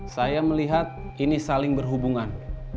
saya melihat ini saling berhubungan